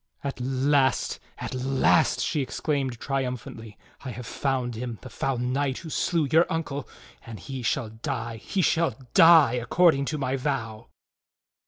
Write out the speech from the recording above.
"At last, at last!" she exclaimed triumphantly. "I have found him, the foul knight who slew your uncle. And he shall die, he shall die, according to my vow!"